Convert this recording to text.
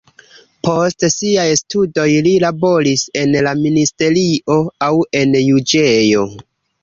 Post siaj studoj li laboris en la ministerio aŭ en juĝejo.